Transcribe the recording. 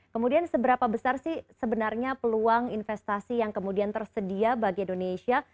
kemudian seberapa besar sih sebenarnya peluang investasi yang kemudian tersedia bagi indonesia